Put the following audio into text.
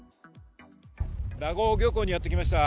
名護漁港にやってきました。